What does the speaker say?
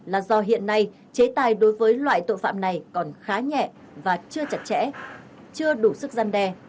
là do hiện nay chế tài đối với loại tội phạm này còn khá nhẹ và chưa chặt chẽ chưa đủ sức gian đe